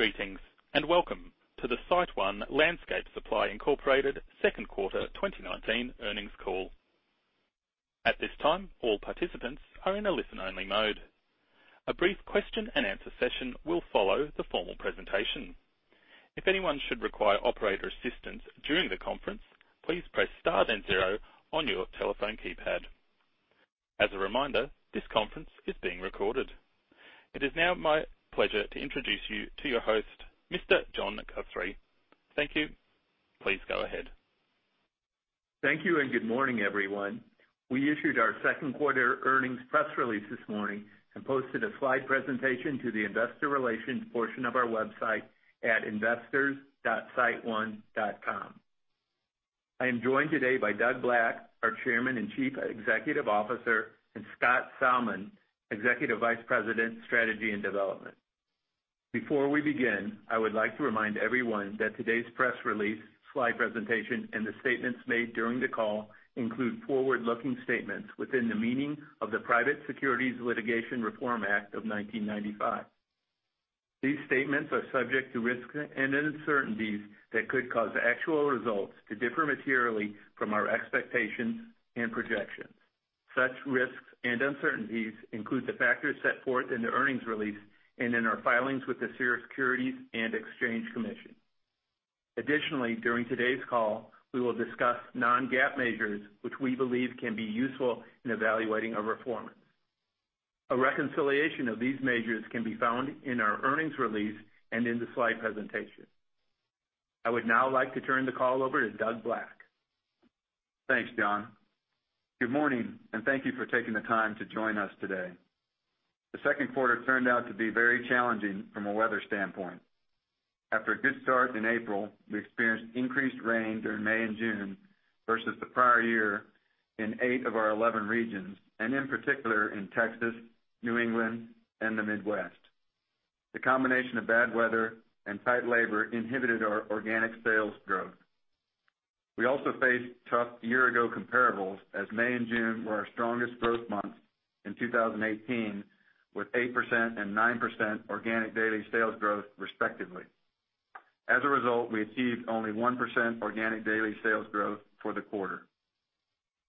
Greetings, welcome to the SiteOne Landscape Supply Incorporated second quarter 2019 earnings call. At this time, all participants are in a listen-only mode. A brief question and answer session will follow the formal presentation. If anyone should require operator assistance during the conference, please press star then zero on your telephone keypad. As a reminder, this conference is being recorded. It is now my pleasure to introduce you to your host, Mr. John Guthrie. Thank you. Please go ahead. Thank you and good morning, everyone. We issued our second quarter earnings press release this morning and posted a slide presentation to the investor relations portion of our website at investors.siteone.com. I am joined today by Doug Black, our Chairman and Chief Executive Officer, and Scott Salmon, Executive Vice President, Strategy and Development. Before we begin, I would like to remind everyone that today's press release, slide presentation, and the statements made during the call include forward-looking statements within the meaning of the Private Securities Litigation Reform Act of 1995. These statements are subject to risks and uncertainties that could cause actual results to differ materially from our expectations and projections. Such risks and uncertainties include the factors set forth in the earnings release and in our filings with the Securities and Exchange Commission. During today's call, we will discuss non-GAAP measures which we believe can be useful in evaluating our performance. A reconciliation of these measures can be found in our earnings release and in the slide presentation. I would now like to turn the call over to Doug Black. Thanks, John. Good morning. Thank you for taking the time to join us today. The second quarter turned out to be very challenging from a weather standpoint. After a good start in April, we experienced increased rain during May and June versus the prior year in eight of our 11 regions, and in particular in Texas, New England, and the Midwest. The combination of bad weather and tight labor inhibited our organic sales growth. We also faced tough year-ago comparables as May and June were our strongest growth months in 2018, with 8% and 9% organic daily sales growth, respectively. As a result, we achieved only 1% organic daily sales growth for the quarter.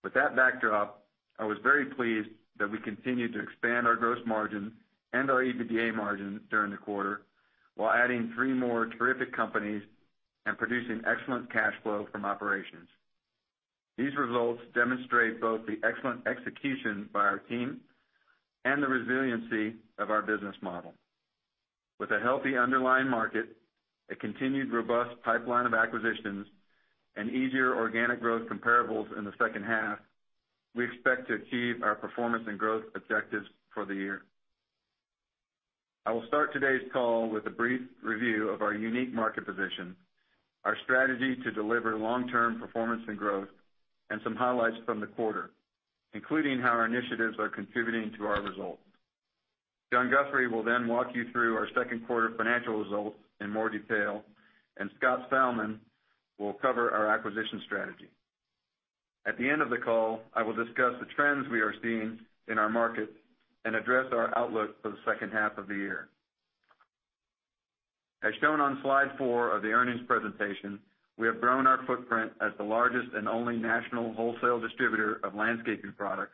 With that backdrop, I was very pleased that we continued to expand our gross margin and our EBITDA margin during the quarter while adding three more terrific companies and producing excellent cash flow from operations. These results demonstrate both the excellent execution by our team and the resiliency of our business model. With a healthy underlying market, a continued robust pipeline of acquisitions, and easier organic growth comparables in the second half, we expect to achieve our performance and growth objectives for the year. I will start today's call with a brief review of our unique market position, our strategy to deliver long-term performance and growth, and some highlights from the quarter, including how our initiatives are contributing to our results. John Guthrie will then walk you through our second quarter financial results in more detail, and Scott Salmon will cover our acquisition strategy. At the end of the call, I will discuss the trends we are seeing in our markets and address our outlook for the second half of the year. As shown on slide four of the earnings presentation, we have grown our footprint as the largest and only national wholesale distributor of landscaping products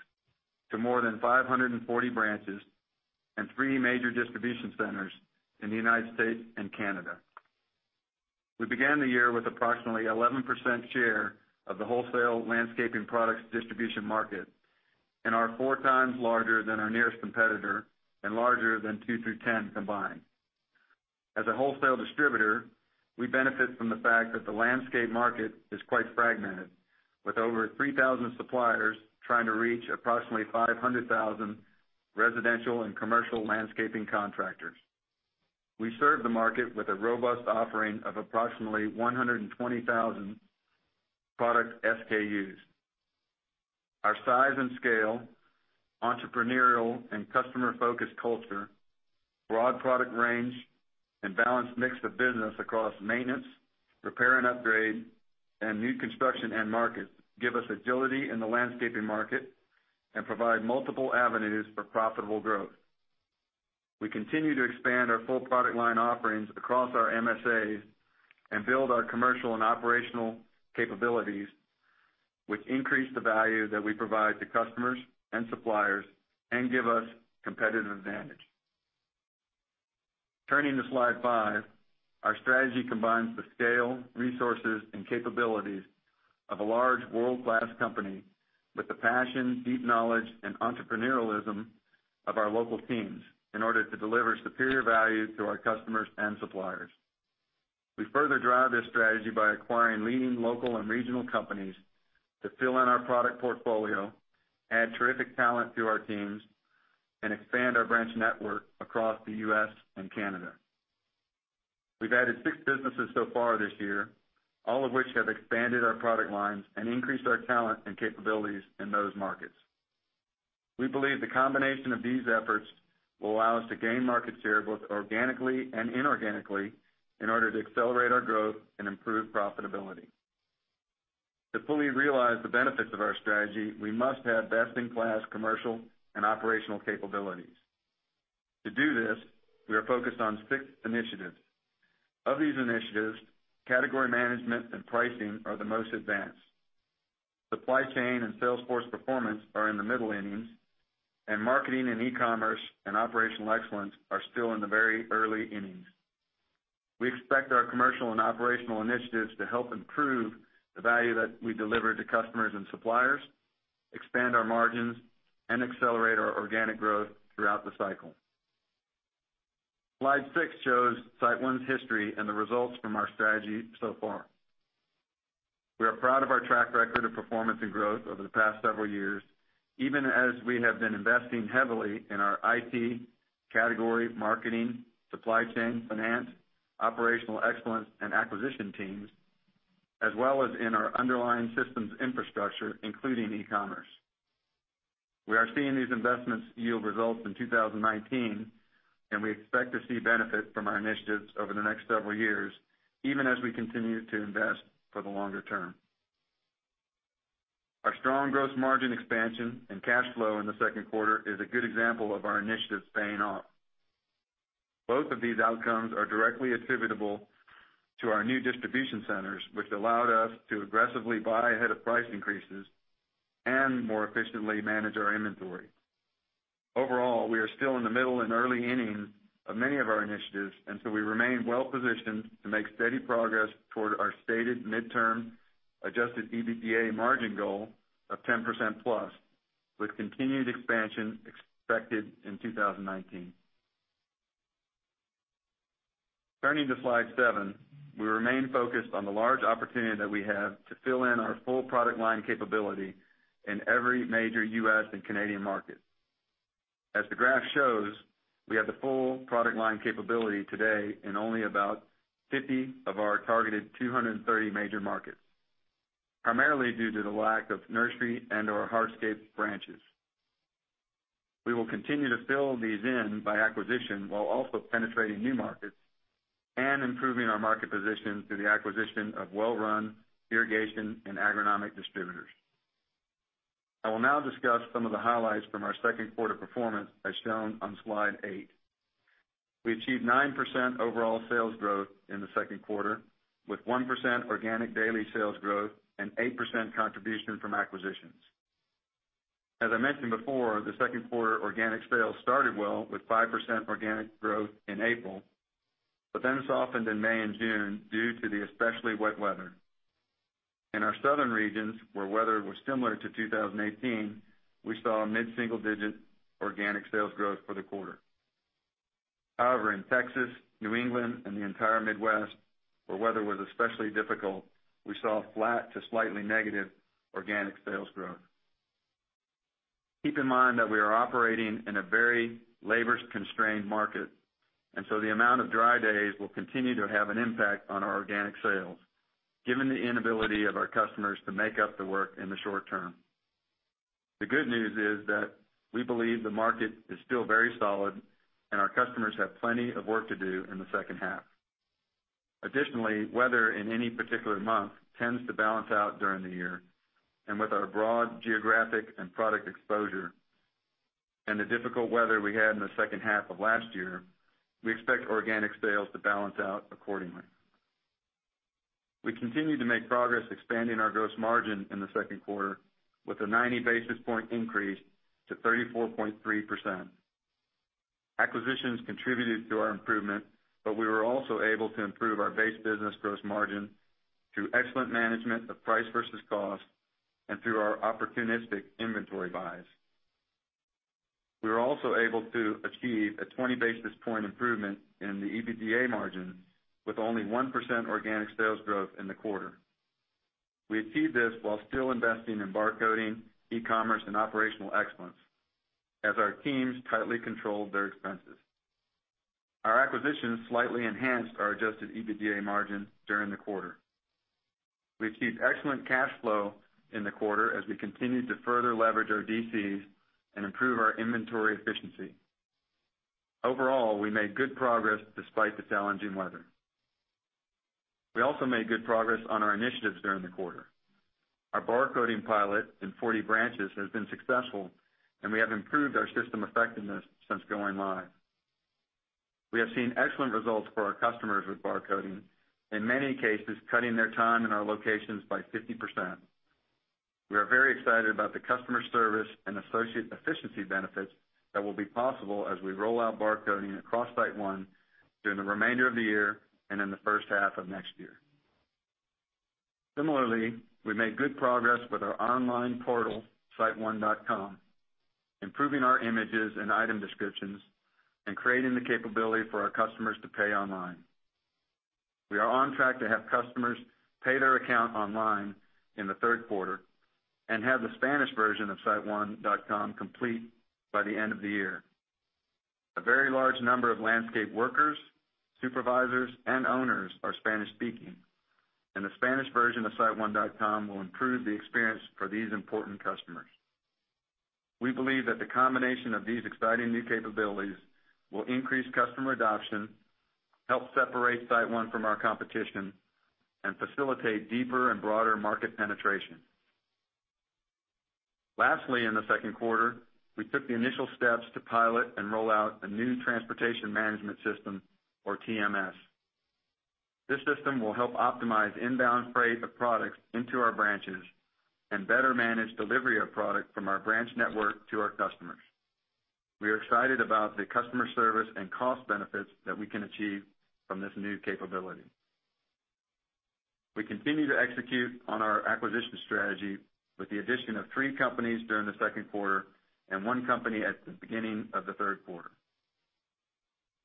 to more than 540 branches and three major distribution centers in the U.S. and Canada. We began the year with approximately 11% share of the wholesale landscaping products distribution market and are four times larger than our nearest competitor and larger than two through 10 combined. As a wholesale distributor, we benefit from the fact that the landscape market is quite fragmented, with over 3,000 suppliers trying to reach approximately 500,000 residential and commercial landscaping contractors. We serve the market with a robust offering of approximately 120,000 product SKUs. Our size and scale, entrepreneurial and customer-focused culture, broad product range, and balanced mix of business across maintenance, repair and upgrade, and new construction-end markets give us agility in the landscaping market and provide multiple avenues for profitable growth. We continue to expand our full product line offerings across our MSAs and build our commercial and operational capabilities, which increase the value that we provide to customers and suppliers and give us competitive advantage. Turning to slide five, our strategy combines the scale, resources, and capabilities of a large world-class company with the passion, deep knowledge, and entrepreneurialism of our local teams in order to deliver superior value to our customers and suppliers. We further drive this strategy by acquiring leading local and regional companies to fill in our product portfolio, add terrific talent to our teams, and expand our branch network across the U.S. and Canada. We've added six businesses so far this year, all of which have expanded our product lines and increased our talent and capabilities in those markets. We believe the combination of these efforts will allow us to gain market share, both organically and inorganically, in order to accelerate our growth and improve profitability. To fully realize the benefits of our strategy, we must have best-in-class commercial and operational capabilities. To do this, we are focused on six initiatives. Of these initiatives, category management and pricing are the most advanced. Supply chain and sales force performance are in the middle innings, and marketing and e-commerce and operational excellence are still in the very early innings. We expect our commercial and operational initiatives to help improve the value that we deliver to customers and suppliers, expand our margins, and accelerate our organic growth throughout the cycle. Slide six shows SiteOne's history and the results from our strategy so far. We are proud of our track record of performance and growth over the past several years, even as we have been investing heavily in our IT, category, marketing, supply chain, finance, operational excellence, and acquisition teams, as well as in our underlying systems infrastructure, including e-commerce. We are seeing these investments yield results in 2019, and we expect to see benefit from our initiatives over the next several years, even as we continue to invest for the longer term. Our strong gross margin expansion and cash flow in the second quarter is a good example of our initiatives paying off. Both of these outcomes are directly attributable to our new distribution centers, which allowed us to aggressively buy ahead of price increases and more efficiently manage our inventory. Overall, we are still in the middle and early innings of many of our initiatives, and so we remain well positioned to make steady progress toward our stated midterm adjusted EBITDA margin goal of 10%+, with continued expansion expected in 2019. Turning to slide seven. We remain focused on the large opportunity that we have to fill in our full product line capability in every major U.S. and Canadian market. As the graph shows, we have the full product line capability today in only about 50 of our targeted 230 major markets, primarily due to the lack of nursery and/or hardscape branches. We will continue to fill these in by acquisition while also penetrating new markets and improving our market position through the acquisition of well-run irrigation and agronomic distributors. I will now discuss some of the highlights from our second quarter performance, as shown on slide eight. We achieved 9% overall sales growth in the second quarter, with 1% organic daily sales growth and 8% contribution from acquisitions. As I mentioned before, the second quarter organic sales started well with 5% organic growth in April, but then softened in May and June due to the especially wet weather. In our southern regions, where weather was similar to 2018, we saw mid-single-digit organic sales growth for the quarter. However, in Texas, New England, and the entire Midwest, where weather was especially difficult, we saw flat to slightly negative organic sales growth. Keep in mind that we are operating in a very labor-constrained market, and so the amount of dry days will continue to have an impact on our organic sales, given the inability of our customers to make up the work in the short term. The good news is that we believe the market is still very solid, and our customers have plenty of work to do in the second half. Additionally, weather in any particular month tends to balance out during the year. With our broad geographic and product exposure and the difficult weather we had in the second half of last year, we expect organic sales to balance out accordingly. We continued to make progress expanding our gross margin in the second quarter with a 90 basis point increase to 34.3%. Acquisitions contributed to our improvement, but we were also able to improve our base business gross margin through excellent management of price versus cost and through our opportunistic inventory buys. We were also able to achieve a 20 basis point improvement in the EBITDA margin with only 1% organic sales growth in the quarter. We achieved this while still investing in bar coding, e-commerce, and operational excellence as our teams tightly controlled their expenses. Our acquisitions slightly enhanced our adjusted EBITDA margin during the quarter. We achieved excellent cash flow in the quarter as we continued to further leverage our DCs and improve our inventory efficiency. Overall, we made good progress despite the challenging weather. We also made good progress on our initiatives during the quarter. Our bar coding pilot in 40 branches has been successful, and we have improved our system effectiveness since going live. We have seen excellent results for our customers with bar coding, in many cases, cutting their time in our locations by 50%. We are very excited about the customer service and associate efficiency benefits that will be possible as we roll out bar coding across SiteOne during the remainder of the year and in the first half of next year. Similarly, we made good progress with our online portal, siteone.com, improving our images and item descriptions and creating the capability for our customers to pay online. We are on track to have customers pay their account online in the third quarter and have the Spanish version of siteone.com complete by the end of the year. A very large number of landscape workers, supervisors, and owners are Spanish-speaking, and the Spanish version of siteone.com will improve the experience for these important customers. We believe that the combination of these exciting new capabilities will increase customer adoption, help separate SiteOne from our competition, and facilitate deeper and broader market penetration. Lastly, in the second quarter, we took the initial steps to pilot and roll out a new transportation management system, or TMS. This system will help optimize inbound freight of products into our branches and better manage delivery of product from our branch network to our customers. We are excited about the customer service and cost benefits that we can achieve from this new capability. We continue to execute on our acquisition strategy with the addition of three companies during the second quarter and one company at the beginning of the third quarter.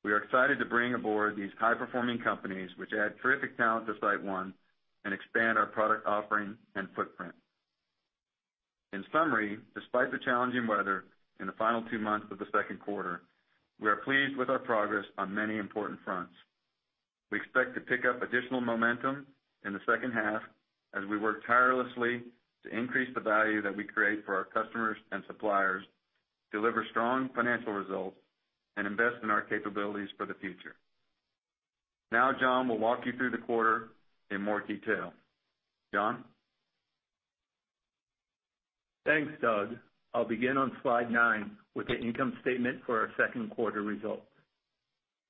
We are excited to bring aboard these high-performing companies, which add terrific talent to SiteOne and expand our product offering and footprint. In summary, despite the challenging weather in the final two months of the second quarter, we are pleased with our progress on many important fronts. We expect to pick up additional momentum in the second half as we work tirelessly to increase the value that we create for our customers and suppliers, deliver strong financial results, and invest in our capabilities for the future. Now, John will walk you through the quarter in more detail. John? Thanks, Doug. I'll begin on slide nine with the income statement for our second quarter results.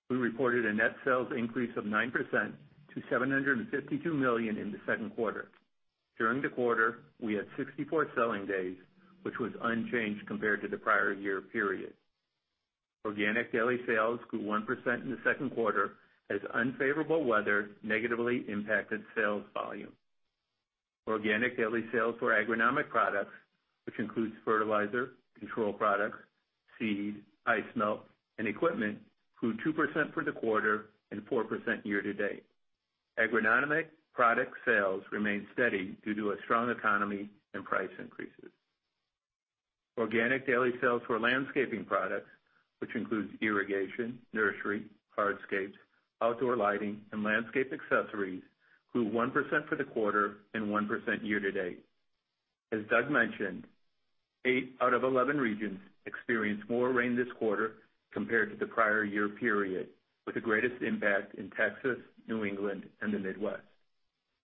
We reported a net sales increase of 9% to $752 million in the second quarter. During the quarter, we had 64 selling days, which was unchanged compared to the prior year period. Organic daily sales grew 1% in the second quarter as unfavorable weather negatively impacted sales volume. Organic daily sales for agronomic products, which includes fertilizer, control products, seed, ice melt, and equipment, grew 2% for the quarter and 4% year-to-date. Agronomic product sales remained steady due to a strong economy and price increases. Organic daily sales for landscaping products, which includes irrigation, nursery, hardscapes, outdoor lighting, and landscape accessories, grew 1% for the quarter and 1% year-to-date. As Doug mentioned, eight out of 11 regions experienced more rain this quarter compared to the prior year period, with the greatest impact in Texas, New England, and the Midwest.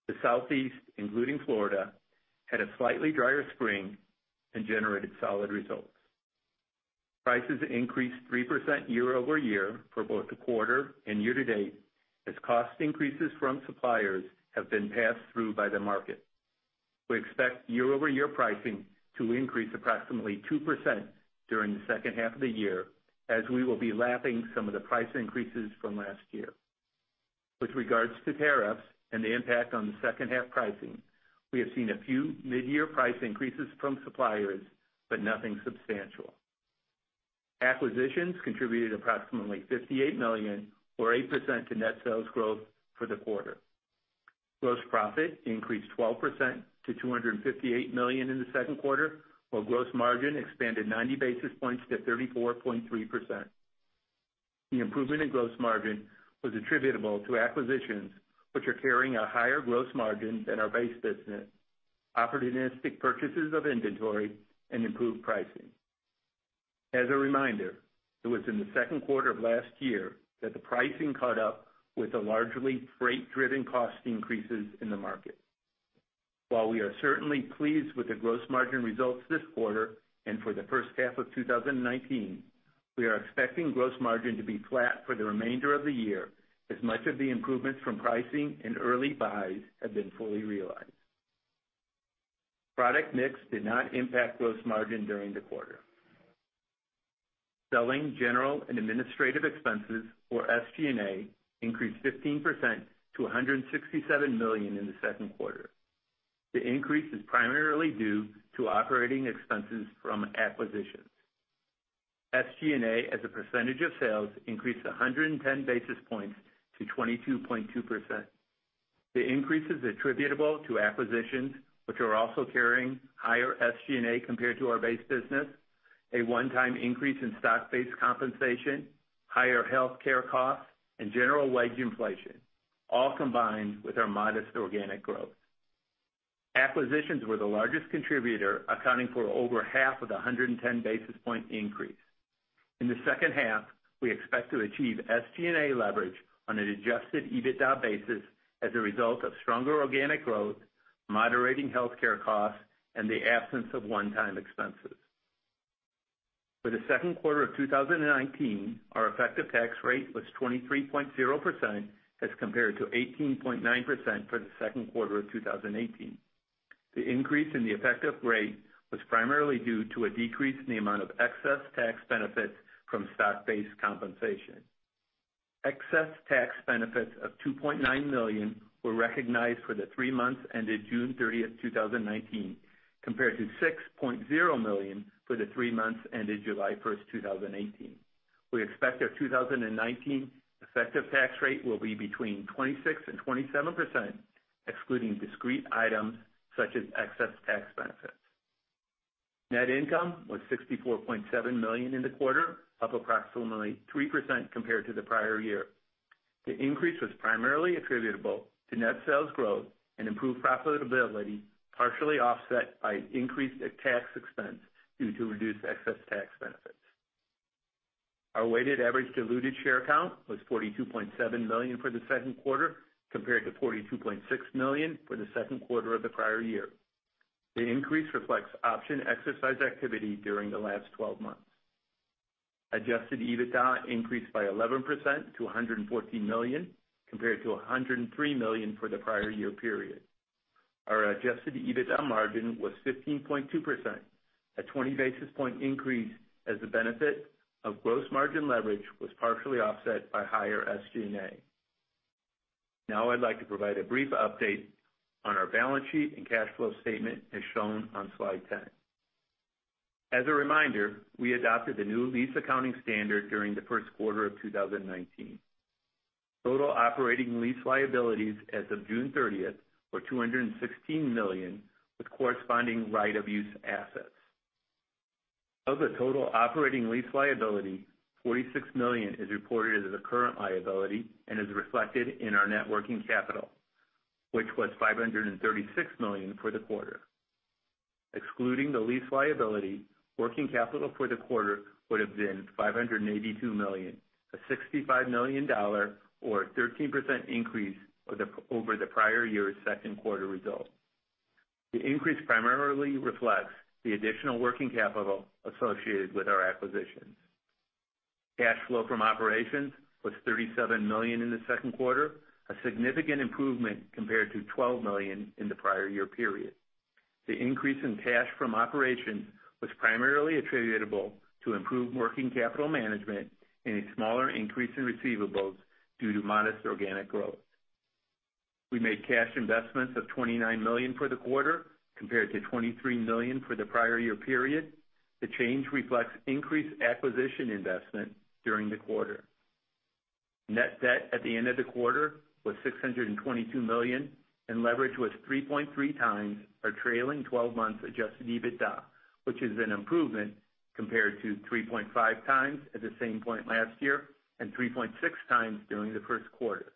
The Southeast, including Florida, had a slightly drier spring and generated solid results. Prices increased 3% year-over-year for both the quarter and year-to-date, as cost increases from suppliers have been passed through by the market. We expect year-over-year pricing to increase approximately 2% during the second half of the year, as we will be lapping some of the price increases from last year. With regards to tariffs and the impact on the second half pricing, we have seen a few mid-year price increases from suppliers, but nothing substantial. Acquisitions contributed approximately $58 million, or 8% to net sales growth for the quarter. Gross profit increased 12% to $258 million in the second quarter, while gross margin expanded 90 basis points to 34.3%. The improvement in gross margin was attributable to acquisitions which are carrying a higher gross margin than our base business, opportunistic purchases of inventory, and improved pricing. As a reminder, it was in the second quarter of last year that the pricing caught up with the largely freight-driven cost increases in the market. While we are certainly pleased with the gross margin results this quarter and for the first half of 2019, we are expecting gross margin to be flat for the remainder of the year, as much of the improvements from pricing and early buys have been fully realized. Product mix did not impact gross margin during the quarter. Selling, general, and administrative expenses, or SG&A, increased 15% to $167 million in the second quarter. The increase is primarily due to operating expenses from acquisitions. SG&A as a percentage of sales increased 110 basis points to 22.2%. The increase is attributable to acquisitions, which are also carrying higher SG&A compared to our base business, a one-time increase in stock-based compensation, higher healthcare costs, and general wage inflation, all combined with our modest organic growth. Acquisitions were the largest contributor, accounting for over half of the 110 basis point increase. In the second half, we expect to achieve SG&A leverage on an adjusted EBITDA basis as a result of stronger organic growth, moderating healthcare costs, and the absence of one-time expenses. For the second quarter of 2019, our effective tax rate was 23.0% as compared to 18.9% for the second quarter of 2018. The increase in the effective rate was primarily due to a decrease in the amount of excess tax benefits from stock-based compensation. Excess tax benefits of $2.9 million were recognized for the three months ended June 30, 2019, compared to $6.0 million for the three months ended July 1, 2018. We expect our 2019 effective tax rate will be between 26%-27%, excluding discrete items such as excess tax benefits. Net income was $64.7 million in the quarter, up approximately 3% compared to the prior year. The increase was primarily attributable to net sales growth and improved profitability, partially offset by increased tax expense due to reduced excess tax benefits. Our weighted average diluted share count was 42.7 million for the second quarter, compared to 42.6 million for the second quarter of the prior year. The increase reflects option exercise activity during the last 12 months. Adjusted EBITDA increased by 11% to $114 million, compared to $103 million for the prior year period. Our adjusted EBITDA margin was 15.2%, a 20 basis point increase as the benefit of gross margin leverage was partially offset by higher SG&A. Now I'd like to provide a brief update on our balance sheet and cash flow statement as shown on slide 10. As a reminder, we adopted the new lease accounting standard during the first quarter of 2019. Total operating lease liabilities as of June 30th were $216 million, with corresponding right-of-use assets. Of the total operating lease liability, $46 million is reported as a current liability and is reflected in our net working capital, which was $536 million for the quarter. Excluding the lease liability, working capital for the quarter would've been $582 million, a $65 million or 13% increase over the prior year's second quarter result. The increase primarily reflects the additional working capital associated with our acquisitions. Cash flow from operations was $37 million in the second quarter, a significant improvement compared to $12 million in the prior year period. The increase in cash from operations was primarily attributable to improved working capital management and a smaller increase in receivables due to modest organic growth. We made cash investments of $29 million for the quarter compared to $23 million for the prior year period. The change reflects increased acquisition investment during the quarter. Net debt at the end of the quarter was $622 million, and leverage was 3.3 times our trailing 12 months adjusted EBITDA, which is an improvement compared to 3.5 times at the same point last year and 3.6 times during the first quarter.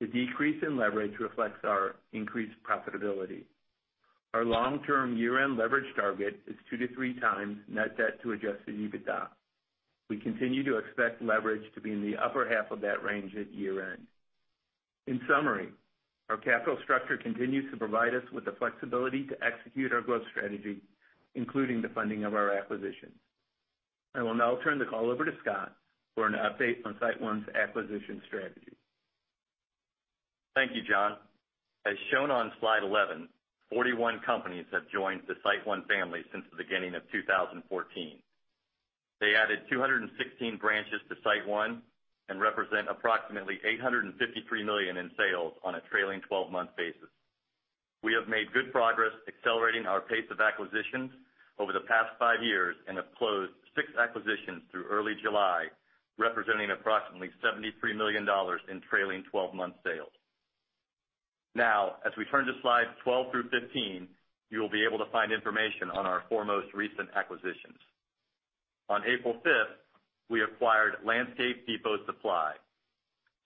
The decrease in leverage reflects our increased profitability. Our long-term year-end leverage target is 2 to 3 times net debt to adjusted EBITDA. We continue to expect leverage to be in the upper half of that range at year-end. In summary, our capital structure continues to provide us with the flexibility to execute our growth strategy, including the funding of our acquisitions. I will now turn the call over to Scott for an update on SiteOne's acquisition strategy. Thank you, John. As shown on slide 11, 41 companies have joined the SiteOne family since the beginning of 2014. They added 216 branches to SiteOne and represent approximately $853 million in sales on a trailing 12-month basis. We have made good progress accelerating our pace of acquisitions over the past five years and have closed six acquisitions through early July, representing approximately $73 million in trailing 12-month sales. As we turn to slides 12 through 15, you will be able to find information on our four most recent acquisitions. On April 5th, we acquired Landscape Depot Supply,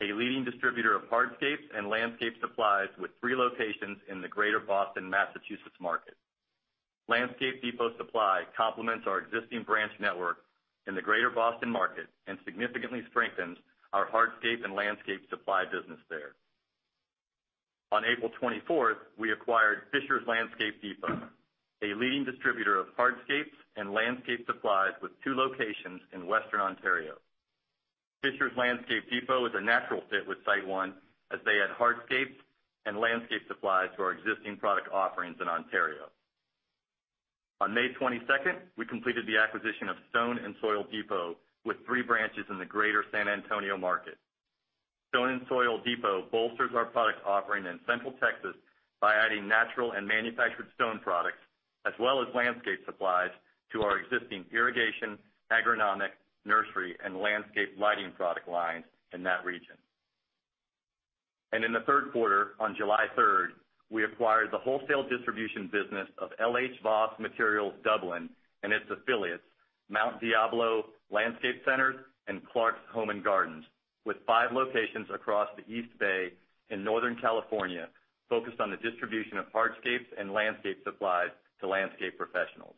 a leading distributor of hardscapes and landscape supplies with three locations in the greater Boston, Massachusetts market. Landscape Depot Supply complements our existing branch network in the greater Boston market and significantly strengthens our hardscape and landscape supply business there. On April 24th, we acquired Fisher's Landscape Depot, a leading distributor of hardscapes and landscape supplies with two locations in western Ontario. Fisher's Landscape Depot is a natural fit with SiteOne, as they add hardscape and landscape supplies to our existing product offerings in Ontario. On May 22nd, we completed the acquisition of Stone and Soil Depot, with three branches in the greater San Antonio market. Stone and Soil Depot bolsters our product offering in Central Texas by adding natural and manufactured stone products, as well as landscape supplies to our existing irrigation, agronomic, nursery, and landscape lighting product lines in that region. In the 3rd quarter, on July 3rd, we acquired the wholesale distribution business of L.H. Voss Materials Dublin and its affiliates, Mt. Diablo Landscape Centers and Clark's Home & Garden, with 5 locations across the East Bay in Northern California, focused on the distribution of hardscapes and landscape supplies to landscape professionals.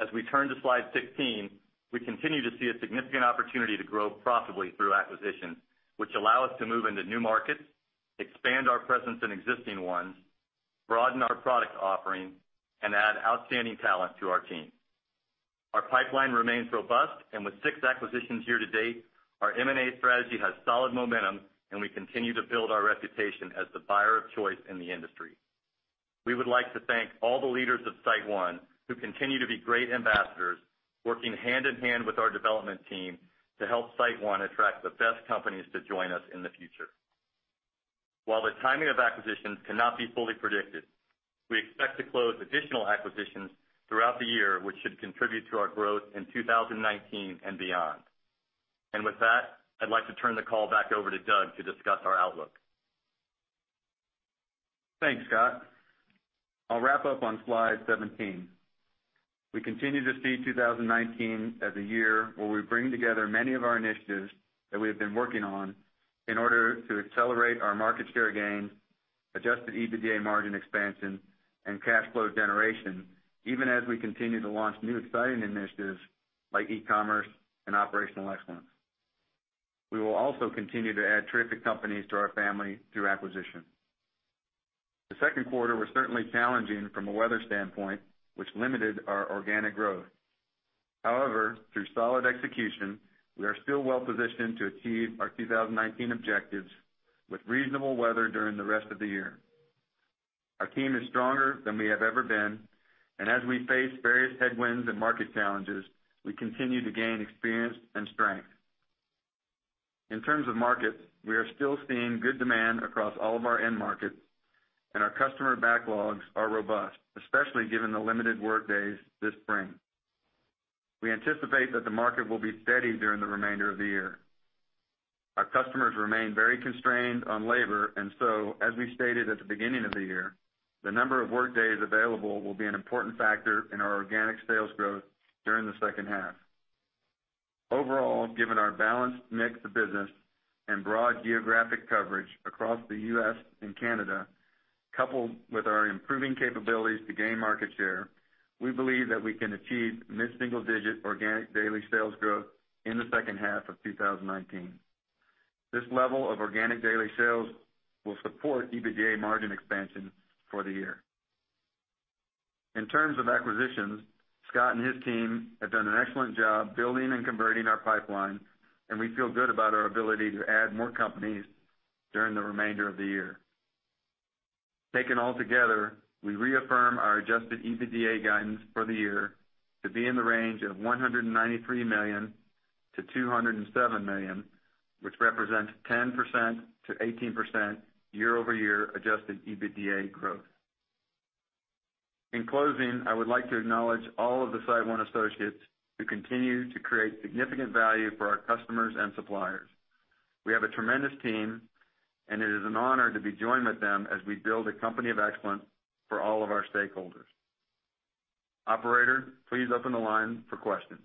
As we turn to slide 16, we continue to see a significant opportunity to grow profitably through acquisitions, which allow us to move into new markets, expand our presence in existing ones, broaden our product offering, and add outstanding talent to our team. Our pipeline remains robust, and with 6 acquisitions year to date, our M&A strategy has solid momentum, and we continue to build our reputation as the buyer of choice in the industry. We would like to thank all the leaders of SiteOne, who continue to be great ambassadors, working hand-in-hand with our development team to help SiteOne attract the best companies to join us in the future. While the timing of acquisitions cannot be fully predicted, we expect to close additional acquisitions throughout the year, which should contribute to our growth in 2019 and beyond. With that, I'd like to turn the call back over to Doug to discuss our outlook. Thanks, Scott. I'll wrap up on slide 17. We continue to see 2019 as a year where we bring together many of our initiatives that we have been working on in order to accelerate our market share gains, adjusted EBITDA margin expansion, and cash flow generation, even as we continue to launch new exciting initiatives like e-commerce and operational excellence. We will also continue to add terrific companies to our family through acquisition. The second quarter was certainly challenging from a weather standpoint, which limited our organic growth. However, through solid execution, we are still well-positioned to achieve our 2019 objectives with reasonable weather during the rest of the year. Our team is stronger than we have ever been, and as we face various headwinds and market challenges, we continue to gain experience and strength. In terms of markets, we are still seeing good demand across all of our end markets, and our customer backlogs are robust, especially given the limited workdays this spring. We anticipate that the market will be steady during the remainder of the year. Our customers remain very constrained on labor, and so as we stated at the beginning of the year, the number of workdays available will be an important factor in our organic sales growth during the second half. Overall, given our balanced mix of business and broad geographic coverage across the U.S. and Canada, coupled with our improving capabilities to gain market share, we believe that we can achieve mid-single-digit organic daily sales growth in the second half of 2019. This level of organic daily sales will support EBITDA margin expansion for the year. In terms of acquisitions, Scott and his team have done an excellent job building and converting our pipeline, and we feel good about our ability to add more companies during the remainder of the year. Taken altogether, we reaffirm our adjusted EBITDA guidance for the year to be in the range of $193 million to $207 million, which represents 10% to 18% year-over-year adjusted EBITDA growth. In closing, I would like to acknowledge all of the SiteOne associates who continue to create significant value for our customers and suppliers. We have a tremendous team, and it is an honor to be joined with them as we build a company of excellence for all of our stakeholders. Operator, please open the line for questions.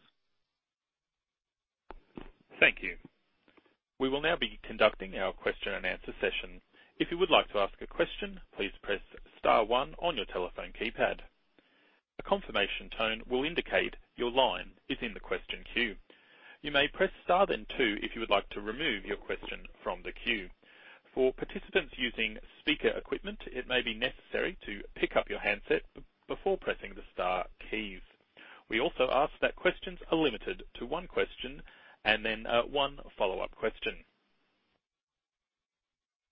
Thank you. We will now be conducting our question and answer session. If you would like to ask a question, please press star one on your telephone keypad. A confirmation tone will indicate your line is in the question queue. You may press star then two if you would like to remove your question from the queue. For participants using speaker equipment, it may be necessary to pick up your handset before pressing the star keys. We also ask that questions are limited to one question and then one follow-up question.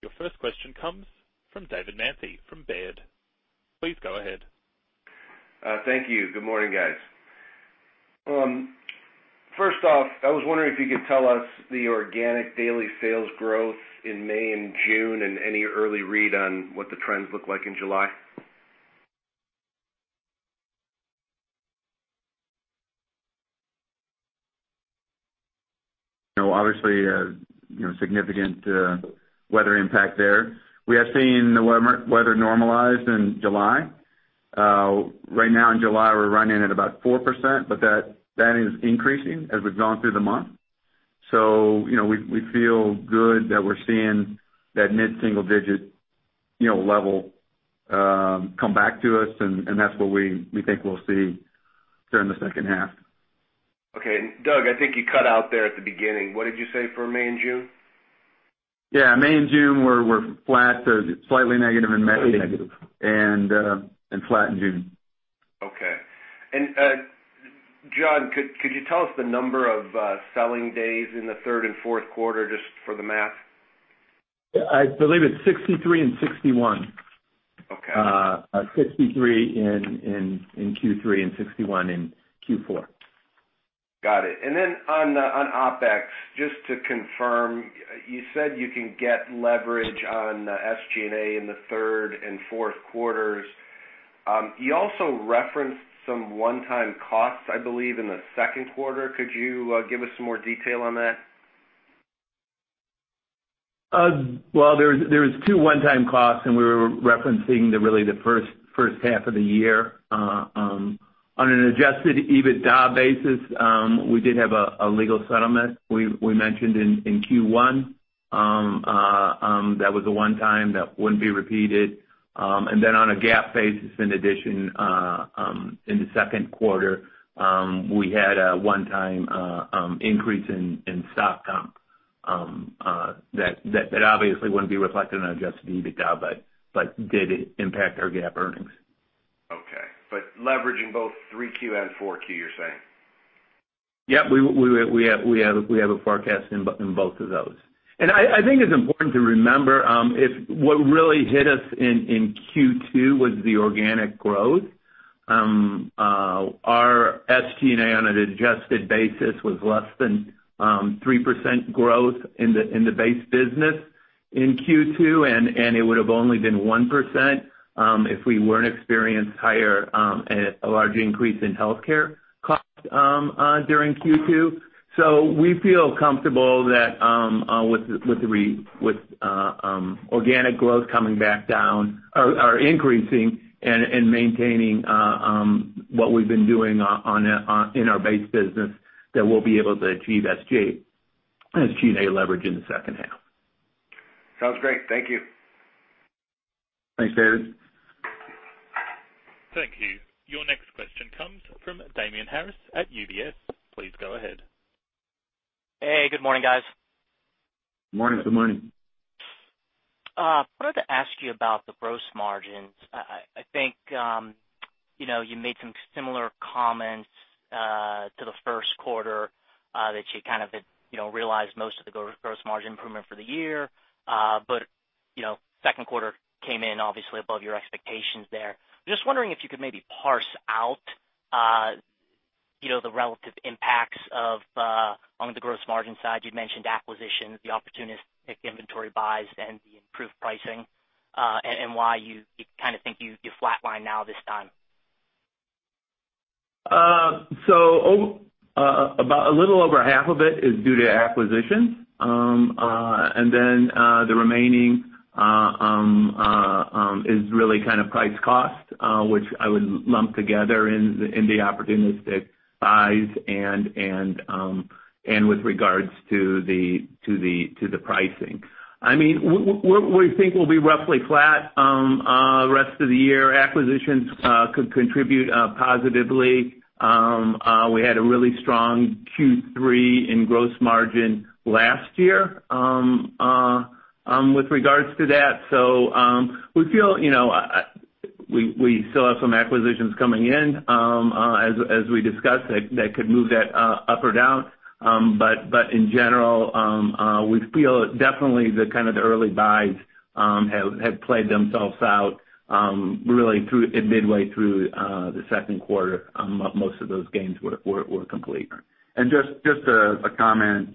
Your first question comes from David Manthey from Baird. Please go ahead. Thank you. Good morning, guys. First off, I was wondering if you could tell us the organic daily sales growth in May and June and any early read on what the trends look like in July. Obviously, significant weather impact there. We have seen the weather normalize in July. Right now in July, we're running at about 4%, but that is increasing as we've gone through the month. We feel good that we're seeing that mid-single digit level come back to us, and that's what we think we'll see during the second half. Okay. Doug, I think you cut out there at the beginning. What did you say for May and June? Yeah, May and June were flat to slightly negative in May. Slightly negative. Flat in June. Okay. John, could you tell us the number of selling days in the third and fourth quarter, just for the math? I believe it's 63 and 61. Okay. 63 in Q3 and 61 in Q4. Got it. Then on OpEx, just to confirm, you said you can get leverage on SG&A in the third and fourth quarters. You also referenced some one-time costs, I believe, in the second quarter. Could you give us some more detail on that? There was two one-time costs, and we were referencing really the first half of the year. On an adjusted EBITDA basis, we did have a legal settlement we mentioned in Q1. That was a one-time that wouldn't be repeated. On a GAAP basis, in addition, in the second quarter, we had a one-time increase in stock comp. That obviously wouldn't be reflected on adjusted EBITDA but did impact our GAAP earnings. Okay. Leveraging both 3Q and 4Q, you're saying? Yep. We have a forecast in both of those. I think it's important to remember, what really hit us in Q2 was the organic growth. Our SG&A on an adjusted basis was less than 3% growth in the base business in Q2, and it would have only been 1%. If we weren't experiencing higher, a large increase in healthcare costs during Q2. We feel comfortable that with organic growth coming back down or increasing and maintaining what we've been doing in our base business, that we'll be able to achieve SG&A leverage in the second half. Sounds great. Thank you. Thanks, David. Thank you. Your next question comes from Damian Karas at UBS. Please go ahead. Hey, good morning, guys. Morning. Good morning. I wanted to ask you about the gross margins. I think you made some similar comments to the first quarter that you kind of realized most of the gross margin improvement for the year. Second quarter came in obviously above your expectations there. I'm just wondering if you could maybe parse out the relative impacts of on the gross margin side. You'd mentioned acquisitions, the opportunistic inventory buys, and the improved pricing, and why you kind of think you flatline now this time. A little over half of it is due to acquisitions. Then the remaining is really kind of price cost, which I would lump together in the opportunistic buys and with regards to the pricing. We think we'll be roughly flat rest of the year. Acquisitions could contribute positively. We had a really strong Q3 in gross margin last year with regards to that. We feel we still have some acquisitions coming in as we discussed that could move that up or down. In general, we feel definitely the kind of the early buys have played themselves out really midway through the second quarter, most of those gains were complete. Just a comment.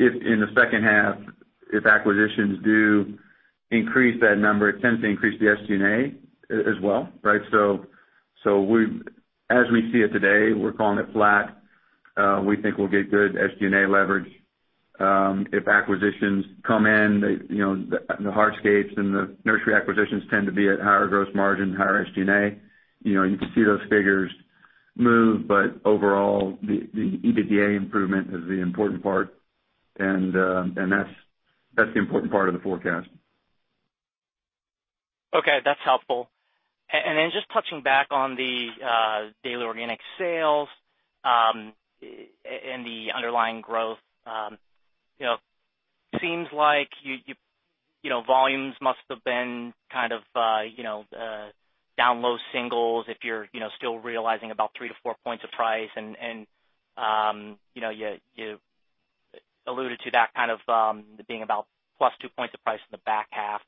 If in the second half, if acquisitions do increase that number, it tends to increase the SG&A as well, right? As we see it today, we're calling it flat. We think we'll get good SG&A leverage if acquisitions come in. The hardscapes and the nursery acquisitions tend to be at higher gross margin, higher SG&A. You can see those figures move, overall, the EBITDA improvement is the important part, and that's the important part of the forecast. Okay. That's helpful. Just touching back on the daily organic sales and the underlying growth. Seems like volumes must have been kind of down low singles if you're still realizing about 3-4 points of price and you alluded to that kind of being about plus two points of price in the back half.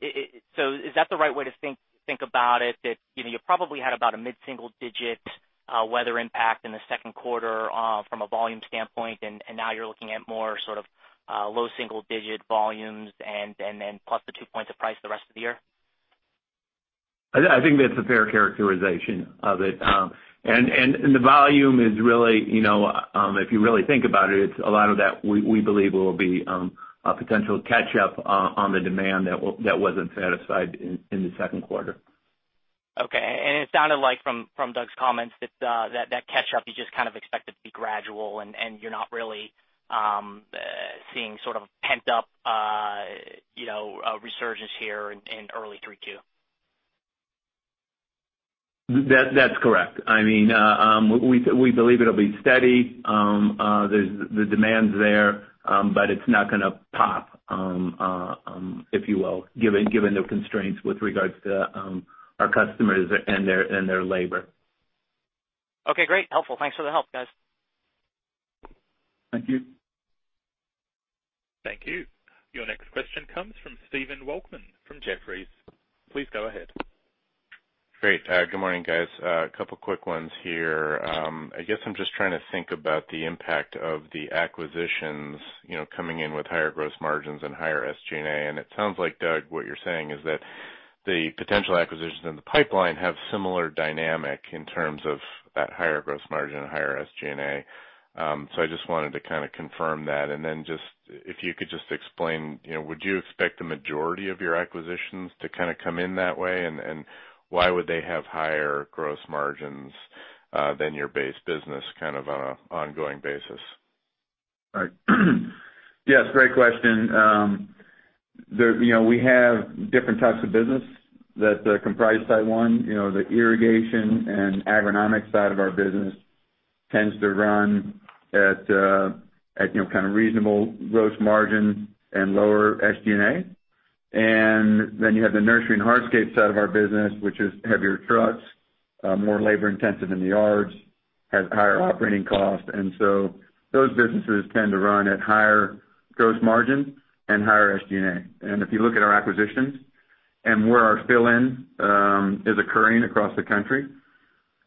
Is that the right way to think about it? That you probably had about a mid-single digit weather impact in the second quarter from a volume standpoint, and now you're looking at more sort of low single digit volumes and then plus the two points of price the rest of the year? I think that's a fair characterization of it. The volume is really, if you really think about it, a lot of that we believe will be a potential catch up on the demand that wasn't satisfied in the second quarter. It sounded like from Doug's comments that that catch up is just kind of expected to be gradual and you're not really seeing sort of pent up a resurgence here in early three Q. That's correct. We believe it'll be steady. The demand's there, but it's not gonna pop, if you will, given the constraints with regards to our customers and their labor. Okay, great. Helpful. Thanks for the help, guys. Thank you. Thank you. Your next question comes from Stephen Volkmann from Jefferies. Please go ahead. Great. Good morning, guys. A couple quick ones here. I guess I'm just trying to think about the impact of the acquisitions coming in with higher gross margins and higher SG&A. It sounds like, Doug, what you're saying is that the potential acquisitions in the pipeline have similar dynamic in terms of that higher gross margin and higher SG&A. I just wanted to kind of confirm that. If you could just explain, would you expect the majority of your acquisitions to kind of come in that way, and why would they have higher gross margins than your base business kind of on a ongoing basis? Right. Yes, great question. We have different types of business that comprise SiteOne. The irrigation and agronomic side of our business tends to run at kind of reasonable gross margin and lower SG&A. You have the nursery and hardscape side of our business, which is heavier trucks, more labor intensive in the yards, has higher operating costs. So those businesses tend to run at higher gross margin and higher SG&A. If you look at our acquisitions and where our fill-in is occurring across the country.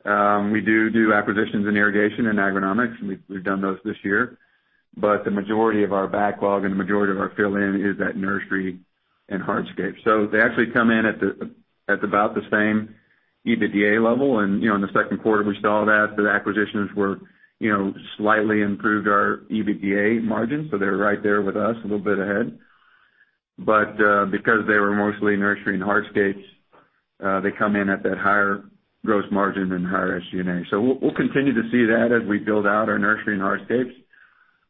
We do acquisitions in irrigation and agronomics, we've done those this year. The majority of our backlog and the majority of our fill-in is at nursery and hardscape. They actually come in at about the same EBITDA level. In the second quarter, we saw that. The acquisitions were slightly improved our EBITDA margin, they're right there with us, a little bit ahead. Because they were mostly nursery and hardscapes, they come in at that higher gross margin and higher SG&A. We'll continue to see that as we build out our nursery and hardscapes.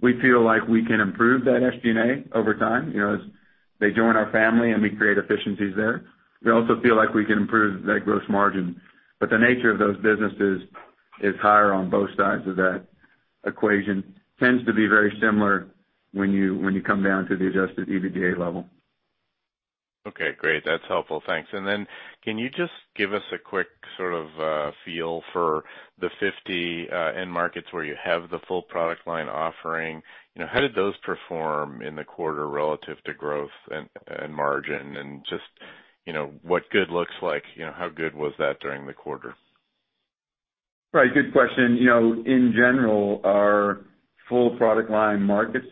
We feel like we can improve that SG&A over time, as they join our family and we create efficiencies there. We also feel like we can improve that gross margin. The nature of those businesses is higher on both sides of that equation. Tends to be very similar when you come down to the adjusted EBITDA level. Okay, great. That's helpful. Thanks. Can you just give us a quick sort of feel for the 50 end markets where you have the full product line offering? How did those perform in the quarter relative to growth and margin and just what good looks like? How good was that during the quarter? Right. Good question. In general, our full product line markets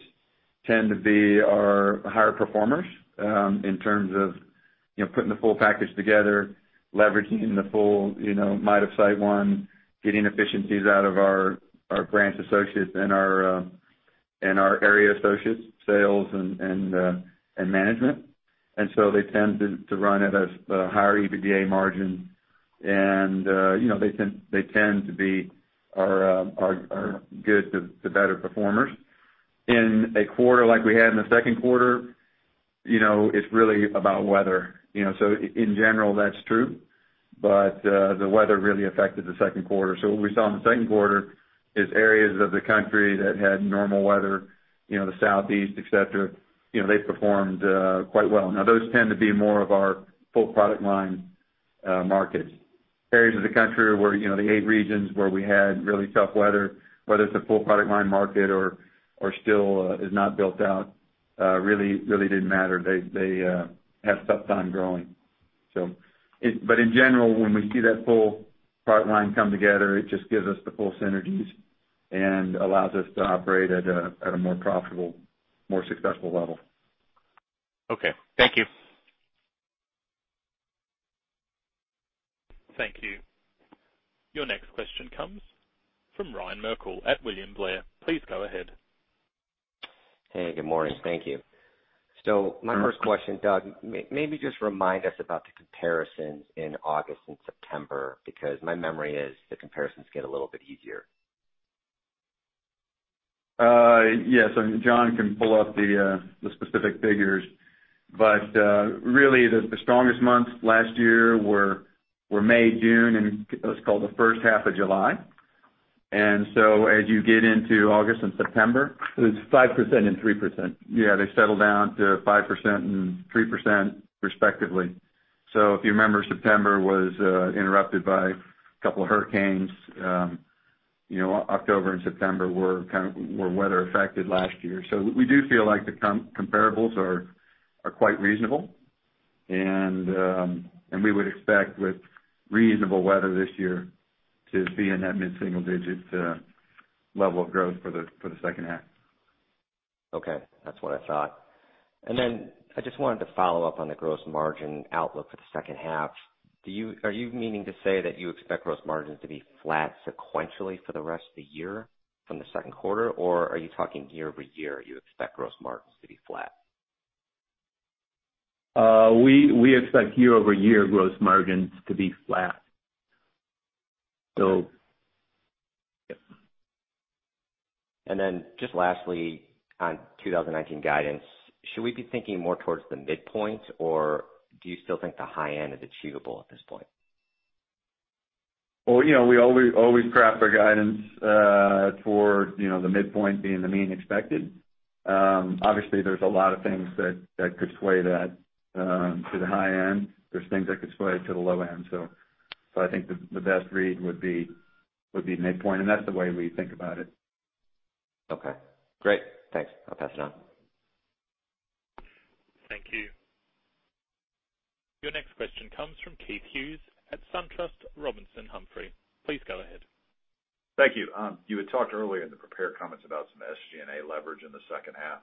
tend to be our higher performers in terms of putting the full package together, leveraging the full might of SiteOne, getting efficiencies out of our branch associates and our area associates, sales, and management. They tend to run at a higher EBITDA margin. They tend to be our good to better performers. In a quarter like we had in the second quarter, it's really about weather. In general, that's true, but the weather really affected the second quarter. What we saw in the second quarter is areas of the country that had normal weather, the Southeast, et cetera, they performed quite well. Now, those tend to be more of our full product line markets. Areas of the country where the eight regions where we had really tough weather, whether it's a full product line market or still is not built out, really didn't matter. They have tough time growing. In general, when we see that full product line come together, it just gives us the full synergies and allows us to operate at a more profitable, more successful level. Okay. Thank you. Thank you. Your next question comes from Ryan Merkel at William Blair. Please go ahead. Hey, good morning. Thank you. My first question, Doug, maybe just remind us about the comparisons in August and September, because my memory is the comparisons get a little bit easier. Yes. John can pull up the specific figures. Really, the strongest months last year were May, June, and let's call it the first half of July. As you get into August and September. It's 5% and 3%. Yeah, they settle down to 5% and 3% respectively. If you remember, September was interrupted by a couple of hurricanes. October and September were weather affected last year. We do feel like the comparables are quite reasonable, and we would expect with reasonable weather this year to be in that mid-single digit level of growth for the second half. Okay. That's what I thought. Then I just wanted to follow up on the gross margin outlook for the second half. Are you meaning to say that you expect gross margins to be flat sequentially for the rest of the year from the second quarter? Or are you talking year-over-year, you expect gross margins to be flat? We expect year-over-year gross margins to be flat. Yep. Then just lastly, on 2019 guidance, should we be thinking more towards the midpoint, or do you still think the high end is achievable at this point? Well, we always craft our guidance toward the midpoint being the mean expected. Obviously, there's a lot of things that could sway that to the high end. There's things that could sway it to the low end. I think the best read would be midpoint, and that's the way we think about it. Okay. Great. Thanks. I'll pass it on. Thank you. Your next question comes from Keith Hughes at SunTrust Robinson Humphrey. Please go ahead. Thank you. You had talked earlier in the prepared comments about some SG&A leverage in the second half.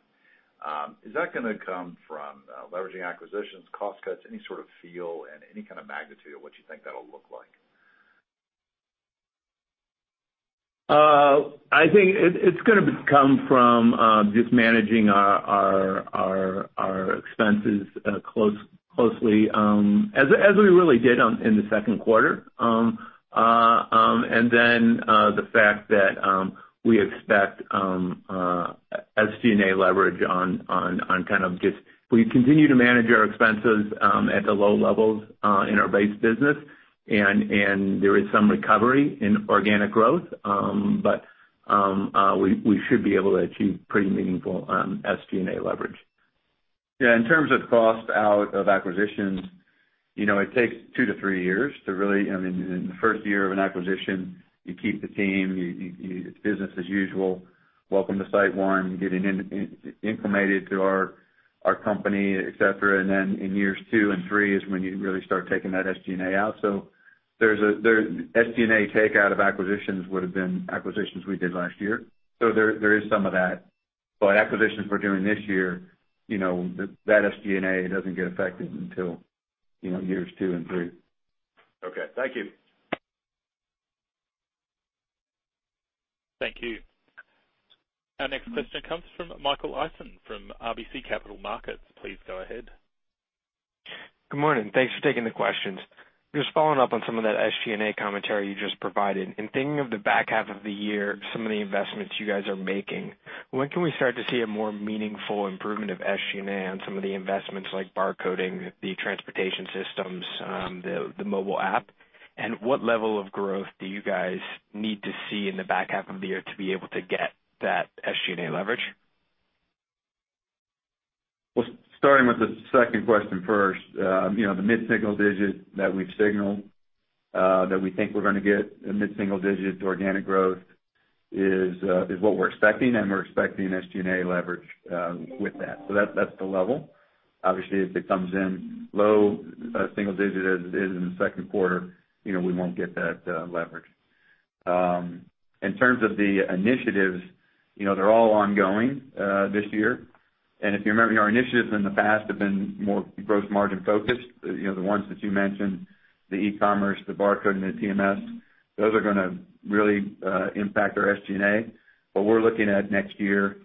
Is that gonna come from leveraging acquisitions, cost cuts? Any sort of feel and any kind of magnitude of what you think that'll look like? I think it's gonna come from just managing our expenses closely, as we really did in the second quarter. We continue to manage our expenses at the low levels in our base business, and there is some recovery in organic growth. We should be able to achieve pretty meaningful SG&A leverage. Yeah, in terms of cost out of acquisitions, it takes two to three years. In the first year of an acquisition, you keep the team, it's business as usual. Welcome to SiteOne. Getting acclimated to our company, et cetera. In years two and three is when you really start taking that SG&A out. SG&A takeout of acquisitions would've been acquisitions we did last year. There is some of that. Acquisitions we're doing this year, that SG&A doesn't get affected until years two and three. Okay. Thank you. Thank you. Our next question comes from Michael Eisen from RBC Capital Markets. Please go ahead. Good morning. Thanks for taking the questions. Just following up on some of that SG&A commentary you just provided, and thinking of the back half of the year, some of the investments you guys are making, when can we start to see a more meaningful improvement of SG&A on some of the investments like bar coding, the transportation systems, the mobile app? What level of growth do you guys need to see in the back half of the year to be able to get that SG&A leverage? Well, starting with the second question first. The mid-single digit that we've signaled, that we think we're going to get a mid-single digit organic growth is what we're expecting, and we're expecting SG&A leverage with that. That's the level. Obviously, if it comes in low single digit, as it is in the second quarter, we won't get that leverage. In terms of the initiatives, they're all ongoing this year. If you remember, our initiatives in the past have been more gross margin focused. The ones that you mentioned, the e-commerce, the barcode, and the TMS, those are going to really impact our SG&A. We're looking at next year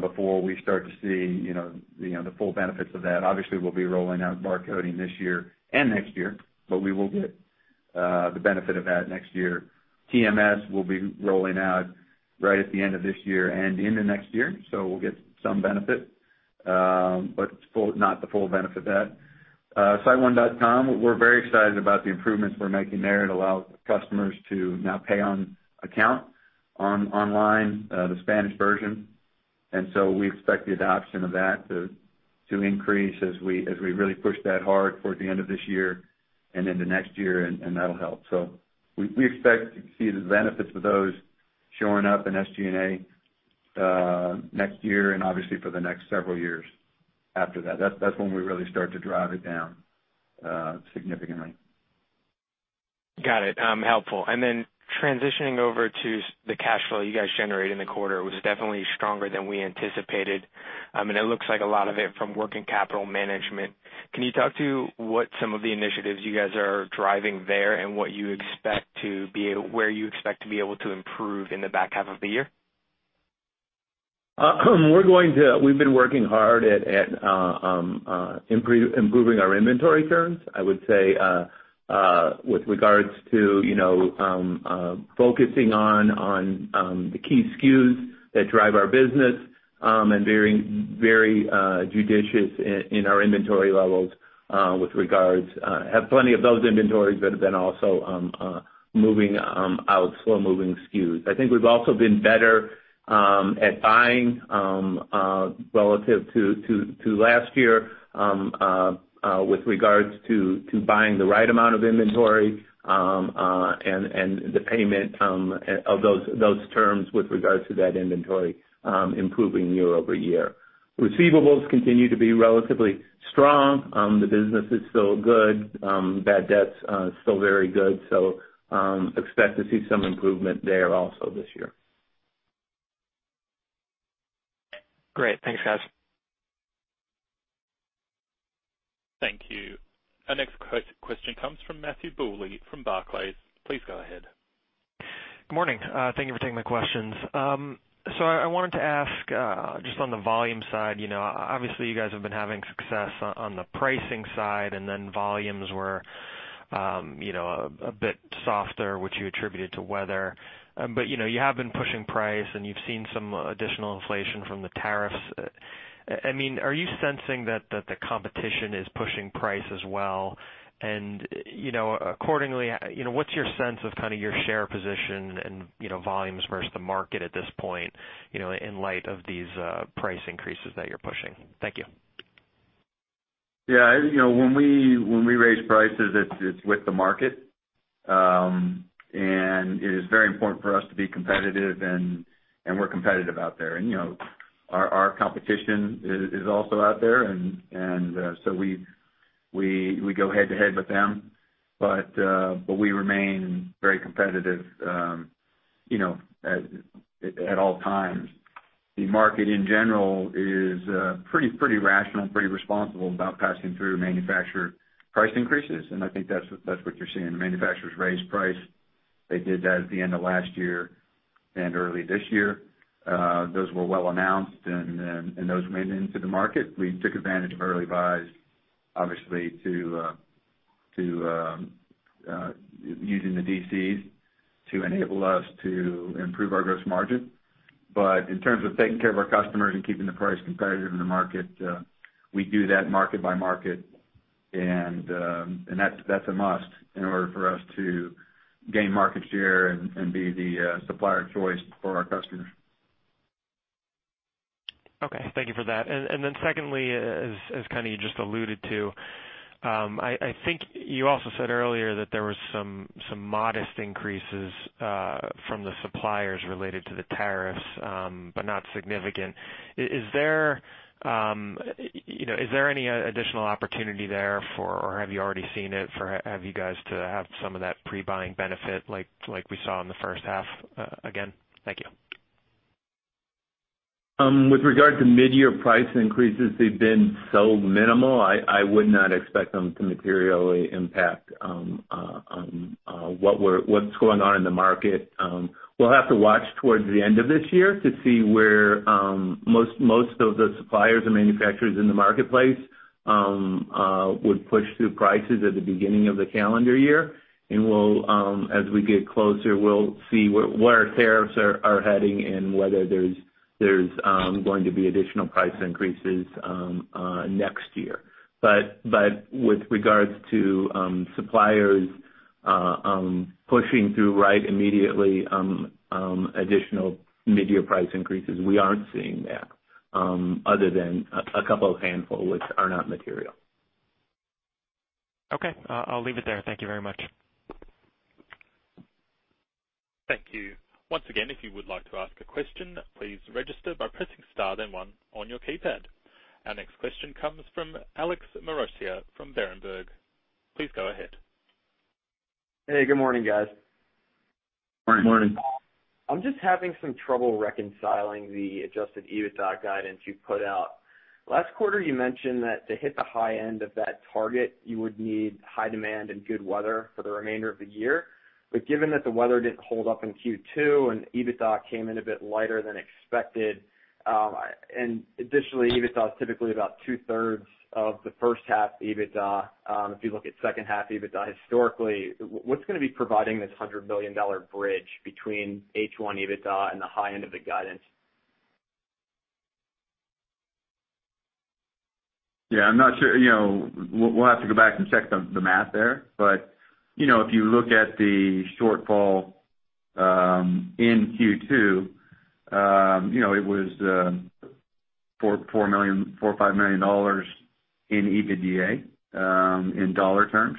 before we start to see the full benefits of that. Obviously, we'll be rolling out bar coding this year and next year, but we will get the benefit of that next year. TMS will be rolling out right at the end of this year and into next year, so we'll get some benefit. Not the full benefit of that. siteone.com, we're very excited about the improvements we're making there. It allows customers to now pay on account online, the Spanish version. We expect the adoption of that to increase as we really push that hard towards the end of this year and into next year, and that'll help. We expect to see the benefits of those showing up in SG&A next year, and obviously for the next several years after that. That's when we really start to drive it down significantly. Got it. Helpful. Then transitioning over to the cash flow you guys generated in the quarter was definitely stronger than we anticipated. It looks like a lot of it from working capital management. Can you talk to what some of the initiatives you guys are driving there and where you expect to be able to improve in the back half of the year? We've been working hard at improving our inventory turns, I would say, with regards to focusing on the key SKUs that drive our business, and very judicious in our inventory levels have plenty of those inventories but have been also moving out slow-moving SKUs. I think we've also been better at buying, relative to last year, with regards to buying the right amount of inventory, and the payment of those terms with regards to that inventory improving year-over-year. Receivables continue to be relatively strong. The business is still good. Bad debts still very good. Expect to see some improvement there also this year. Great. Thanks, guys. Thank you. Our next question comes from Matthew Bouley from Barclays. Please go ahead. Good morning. Thank you for taking my questions. I wanted to ask, just on the volume side, obviously you guys have been having success on the pricing side, and then volumes were a bit softer, which you attributed to weather. You have been pushing price, and you've seen some additional inflation from the tariffs. Are you sensing that the competition is pushing price as well? Accordingly, what's your sense of your share position and volumes versus the market at this point in light of these price increases that you're pushing? Thank you. Yeah. When we raise prices, it's with the market. It is very important for us to be competitive, and we're competitive out there. Our competition is also out there, we go head-to-head with them. We remain very competitive at all times. The market in general is pretty rational and pretty responsible about passing through manufacturer price increases, and I think that's what you're seeing. The manufacturers raise price. They did that at the end of last year and early this year. Those were well announced and those made it into the market. We took advantage of early buys, obviously, using the DCs to enable us to improve our gross margin. In terms of taking care of our customers and keeping the price competitive in the market, we do that market by market. That's a must in order for us to gain market share and be the supplier of choice for our customers. Okay. Thank you for that. Secondly, as you just alluded to, I think you also said earlier that there was some modest increases from the suppliers related to the tariffs, but not significant. Is there any additional opportunity there or have you already seen it, for you guys to have some of that pre-buying benefit like we saw in the first half again? Thank you. With regard to mid-year price increases, they've been so minimal. I would not expect them to materially impact on what's going on in the market. We'll have to watch towards the end of this year to see where most of the suppliers and manufacturers in the marketplace would push through prices at the beginning of the calendar year. As we get closer, we'll see where tariffs are heading and whether there's going to be additional price increases next year. With regards to suppliers pushing through right immediately, additional mid-year price increases, we aren't seeing that other than a couple of handful which are not material. Okay. I'll leave it there. Thank you very much. Thank you. Once again, if you would like to ask a question, please register by pressing star then one on your keypad. Our next question comes from Alex Maroccia from Berenberg. Please go ahead. Hey, good morning, guys. Morning. Morning. I'm just having some trouble reconciling the adjusted EBITDA guidance you put out. Last quarter, you mentioned that to hit the high end of that target, you would need high demand and good weather for the remainder of the year. Given that the weather didn't hold up in Q2 and EBITDA came in a bit lighter than expected, additionally, EBITDA is typically about two-thirds of the first half EBITDA. If you look at second half EBITDA historically, what's going to be providing this $100 million bridge between H1 EBITDA and the high end of the guidance? Yeah, I'm not sure. We'll have to go back and check the math there, but if you look at the shortfall in Q2, it was $4 or $5 million in EBITDA, in dollar terms.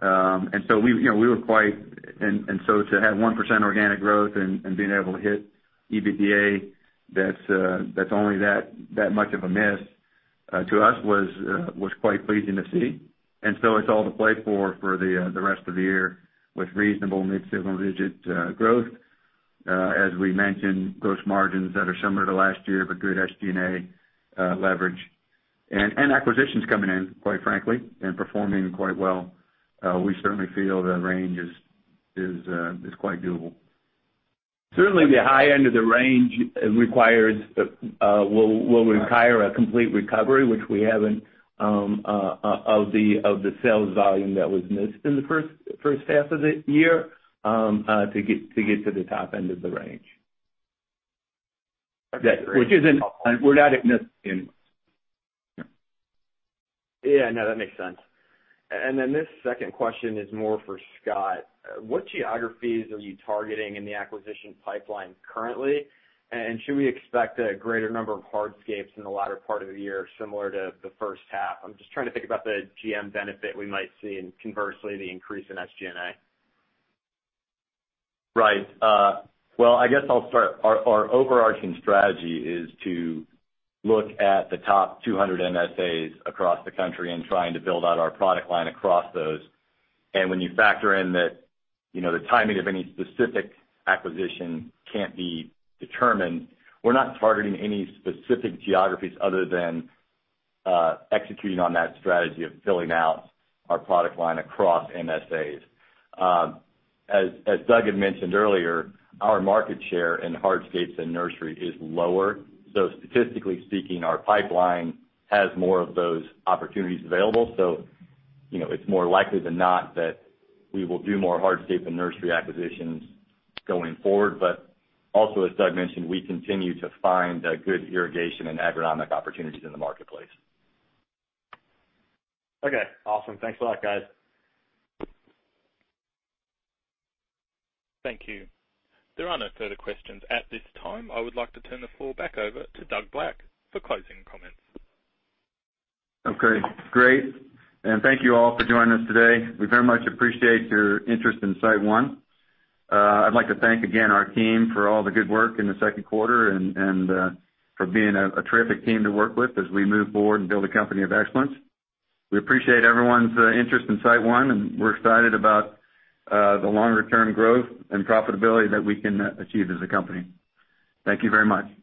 To have 1% organic growth and being able to hit EBITDA, that's only that much of a miss to us was quite pleasing to see. It's all to play for the rest of the year with reasonable mid-single digit growth. As we mentioned, gross margins that are similar to last year, but good SG&A leverage and acquisitions coming in quite frankly, and performing quite well. We certainly feel the range is quite doable. Certainly the high end of the range will require a complete recovery, which we haven't, of the sales volume that was missed in the first half of the year to get to the top end of the range. Okay, great. We're not anyways. Yeah, no, that makes sense. This second question is more for Scott. What geographies are you targeting in the acquisition pipeline currently? Should we expect a greater number of hardscapes in the latter part of the year, similar to the first half? I'm just trying to think about the GM benefit we might see, and conversely, the increase in SG&A. Right. Well, I guess I'll start. Our overarching strategy is to look at the top 200 MSAs across the country and trying to build out our product line across those. When you factor in that the timing of any specific acquisition can't be determined, we're not targeting any specific geographies other than executing on that strategy of filling out our product line across MSAs. As Doug had mentioned earlier, our market share in hardscapes and nursery is lower. Statistically speaking, our pipeline has more of those opportunities available. It's more likely than not that we will do more hardscape and nursery acquisitions going forward. Also, as Doug mentioned, we continue to find good irrigation and agronomic opportunities in the marketplace. Okay, awesome. Thanks a lot, guys. Thank you. There are no further questions at this time. I would like to turn the floor back over to Doug Black for closing comments. Okay, great. Thank you all for joining us today. We very much appreciate your interest in SiteOne. I'd like to thank again our team for all the good work in the second quarter and for being a terrific team to work with as we move forward and build a company of excellence. We appreciate everyone's interest in SiteOne, and we're excited about the longer-term growth and profitability that we can achieve as a company. Thank you very much.